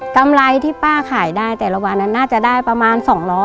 กำไรที่ป้าขายได้แต่ละวันนั้นน่าจะได้ประมาณ๒๐๐